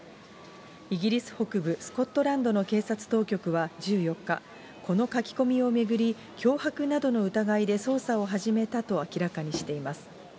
イギリス北部スコットランドの警察当局は１４日、この書き込みを巡り、脅迫などの疑いで捜査を始めたと明らかにしています。